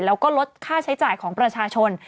แล้วก็ลดค่าใช้จ่ายของประชาชน